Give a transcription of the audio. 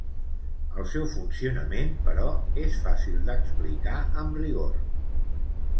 El seu funcionament, però, és fàcil d'explicar amb rigor.